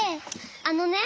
あのね。